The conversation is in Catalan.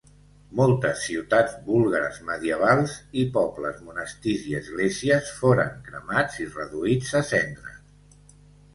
Moltes ciutats búlgares medievals i pobles, monestirs i esglésies, foren cremats i reduïts a cendres.